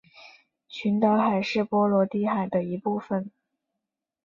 群岛海是波罗的海的一部份。